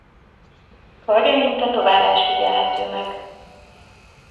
Karjain tetoválás figyelhető meg.